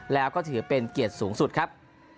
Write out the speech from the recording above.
แล้วก็ถือเป็นเกียรติสูงสุดครับ